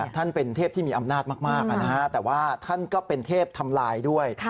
ท่านเป็นเทพที่มีอำนาจมากแต่ว่าท่านก็เป็นเทพทำลายด้วย